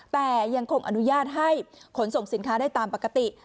แต่ยังคงอนุญาตให้ขนส่งสินค้าได้ตามปกติ